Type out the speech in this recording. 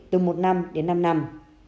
từ một năm đến năm năm